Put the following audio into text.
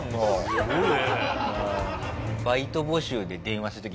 すごいね。